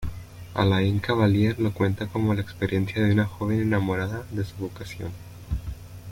Alain Cavalier lo cuenta como la experiencia de una joven enamorada de su vocación.